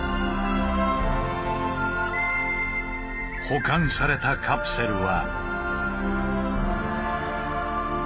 保管されたカプセルは。